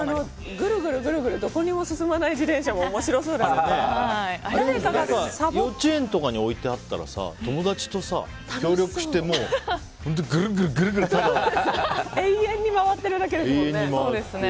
ぐるぐるぐるぐるどこにも進まない自転車も幼稚園とかに置いてあったら友達とさ、協力して本当、ぐるぐるぐるぐる。延々に回ってるだけですもんね。